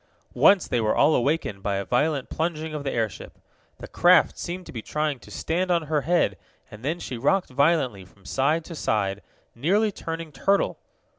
Once they were all awakened by a violent plunging of the airship. The craft seemed to be trying to stand on her head, and then she rocked violently from side to side, nearly turning turtle.